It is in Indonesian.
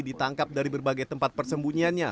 ditangkap dari berbagai tempat persembunyiannya